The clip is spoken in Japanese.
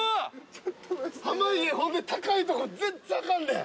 濱家ほんで高いとこ全然あかんねん。